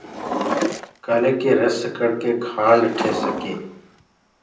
تآکي رس ڪڙ ڪي کآنڊ ٺي سڪي۔